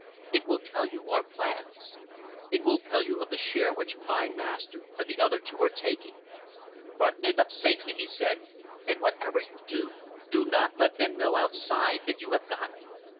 It will tell you our plans. It will tell you of the share which my master and the other two are taking. Button it up safely,' he said, 'and, whatever you do, do not let them know outside that you have got it.